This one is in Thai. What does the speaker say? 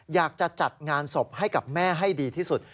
อยากจะจัดงานศพให้กับแม่ให้ดีที่สุด